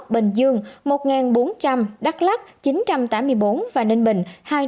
bình dương một bốn trăm linh đắk lắc chín trăm tám mươi bốn ninh bình hai trăm sáu mươi bốn